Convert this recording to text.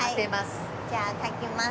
じゃあ描きます。